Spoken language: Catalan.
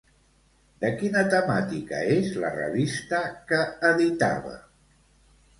De quina temàtica és la revista que editava?